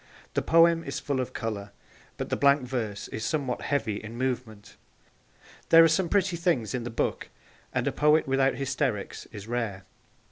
The poem is full of colour, but the blank verse is somewhat heavy in movement. There are some pretty things in the book, and a poet without hysterics is rare.